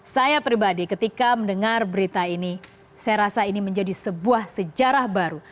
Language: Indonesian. saya pribadi ketika mendengar berita ini saya rasa ini menjadi sebuah sejarah baru